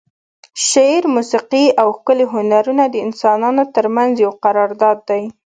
شعر، موسیقي او ښکلي هنرونه د انسانانو ترمنځ یو قرارداد دی.